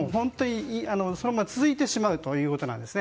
そのまま続いてしまうということです。